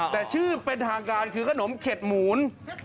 แต่ชื่อเป็นทางการคือขนมเข็ดหมูน